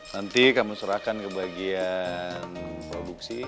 nanti kamu suruh akan ke bagian produksi